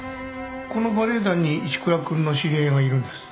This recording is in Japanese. このバレエ団に石倉君の知り合いがいるんです。